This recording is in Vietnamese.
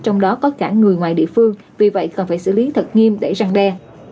trong đó có cả người ngoài địa phương vì vậy cần phải xử lý thật nghiêm để răng đe